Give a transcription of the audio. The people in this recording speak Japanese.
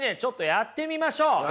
やってみましょう。